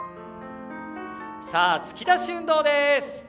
突き出し運動です。